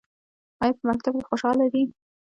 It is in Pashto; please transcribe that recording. ایا په مکتب کې خوشحاله دي؟